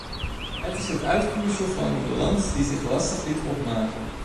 Het is het uitvloeisel van een balans die zich lastig liet opmaken.